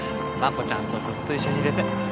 真子ちゃんとずっと一緒にいれて。